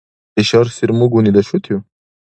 Ишар сирмугуни дашутив?